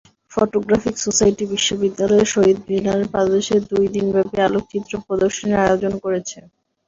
Photographic society বিশ্ববিদ্যালয়ের শহীদ মিনারের পাদদেশে দুই দিনব্যাপী আলোকচিত্র প্রদর্শনীর আয়োজন করেছে।